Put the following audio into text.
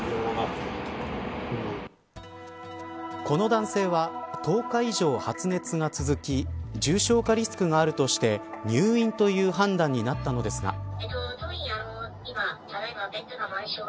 この男性は１０日以上発熱が続き重症化リスクがあるとして入院という判断になったのですが。